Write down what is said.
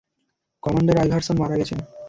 Commander Iverson মারা গেছেন।